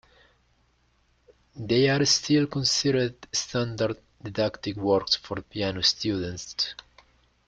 They are still considered standard didactic works for piano students.